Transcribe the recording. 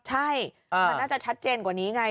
ใช่มันน่าจะชัดเจนกว่านี้ไง